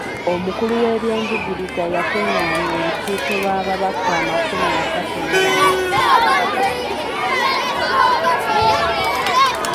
Omukulu w’ebyenjigiriza yakungaanya olukiiko lw'ababaka amakumi asatu mu bana.